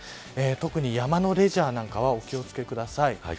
特に山のレジャーなんかはお気を付けください。